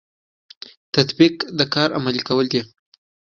تطبیق د کار عملي کول دي